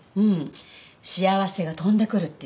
「幸せが飛んでくる」っていうの。